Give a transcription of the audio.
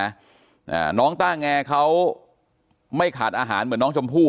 อ่าน้องต้าแงเขาไม่ขาดอาหารเหมือนน้องชมพู่